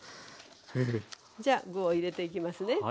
じゃあ具を入れていきますね。